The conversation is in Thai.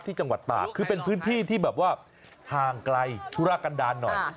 จังหวัดตากคือเป็นพื้นที่ที่แบบว่าห่างไกลธุระกันดาลหน่อย